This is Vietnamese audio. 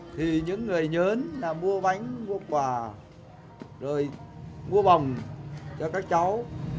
thì những người nhớ là mua bánh mua quà rồi mua bồng cho các cháu